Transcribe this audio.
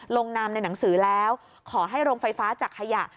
ลงนามในหนังสือแล้วขอให้โรงไฟฟ้าจากขยะ